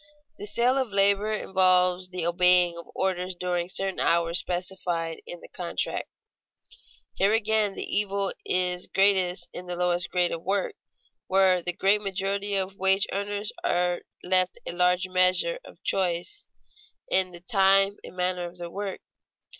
The sale of labor involves the obeying of orders during certain hours specified in the contract. Here again the evil is greatest in the lowest grades of work, while the great majority of wage earners are left a large measure of choice in the time and manner of their work.